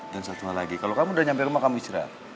dan satu lagi kalo kamu udah nyampe rumah kamu istirahat